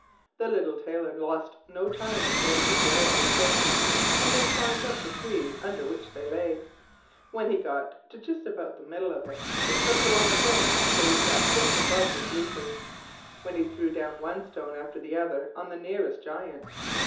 The little Tailor lost no time in filling his wallet with stones, and then climbed up the tree under which they lay. When he got to about the middle of it he slipped along a branch till he sat just above the sleepers, when he threw down one stone after the other on the nearest Giant.